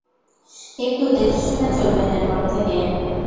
একটু দেখেশুনে চলবেন এরপর থেকে।